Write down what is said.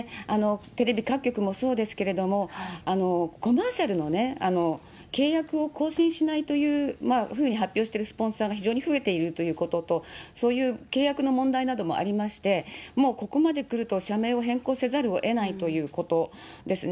テレビ各局もそうですけれども、コマーシャルの契約を更新しないというふうに発表しているスポンサーが非常に増えているということと、そういう契約の問題もありまして、もうここまでくると、社名を変更せざるをえないということですね。